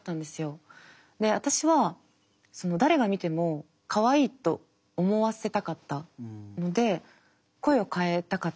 で私は誰が見てもかわいいと思わせたかったので声を変えたかった。